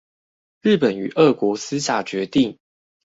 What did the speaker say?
日本與俄國私下決定